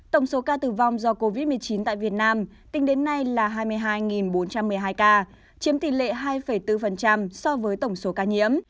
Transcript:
tổng số ca tử vong do covid một mươi chín tại việt nam tính đến nay là hai mươi hai bốn trăm một mươi hai ca chiếm tỷ lệ hai bốn so với tổng số ca nhiễm